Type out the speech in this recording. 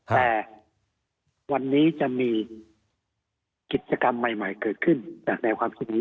แต่วันนี้จะมีกิจกรรมใหม่เกิดขึ้นจากแนวความคิดนี้